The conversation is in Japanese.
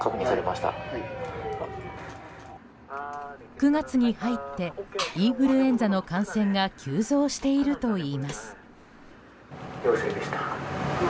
９月に入ってインフルエンザの感染が急増しているといいます。